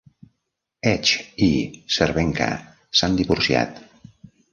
Edge i Cervenka s"han divorciat.